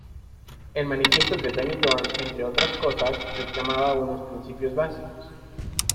El "Manifiesto de Benidorm", entre otras cosas, reclamaba unos principios básicos.